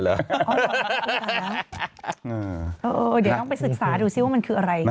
เดี๋ยวต้องไปศึกษาดูซิว่ามันคืออะไร